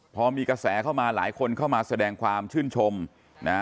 พอมีกระแสเข้ามาหลายคนเข้ามาแสดงความชื่นชมนะ